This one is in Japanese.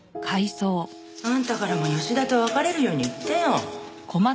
あんたからも吉田と別れるように言ってよ。